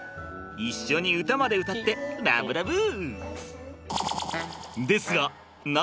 一緒に歌まで歌ってラブラブ。